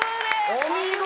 お見事！